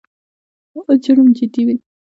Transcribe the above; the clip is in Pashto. جرم جدي وي.